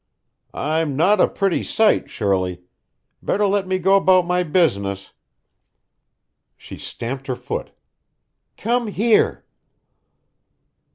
"I'm not a pretty sight, Shirley. Better let me go about my business." She stamped her foot. "Come here!"